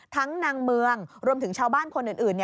นางเมืองรวมถึงชาวบ้านคนอื่น